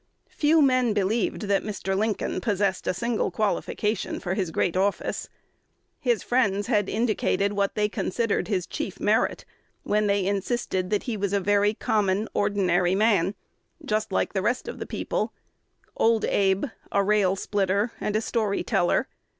Few men believed that Mr. Lincoln possessed a single qualification for his great office. His friends had indicated what they considered his chief merit, when they insisted that he was a very common, ordinary man, just like the rest of "the people," "Old Abe," a rail splitter and a story teller.